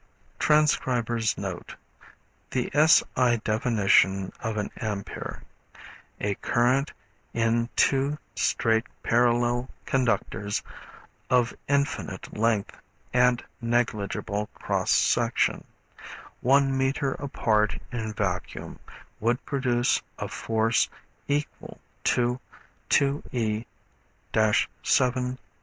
[Transcriber's note: The SI definition of an ampere: A current in two straight parallel conductors of infinite length and negligible cross section, 1 metre apart in vacuum, would produce a force equal to 2E 7 newton per metre of length.